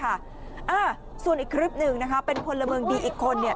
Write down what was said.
อ่าส่วนอีกคลิปหนึ่งนะคะเป็นพลเมืองดีอีกคนเนี่ย